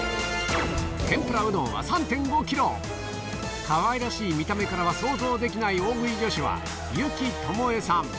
天ぷらうどんは３．５キロ、かわいらしい見た目からは想像できない大食い女子は、幸巴さん。